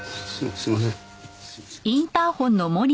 すいません。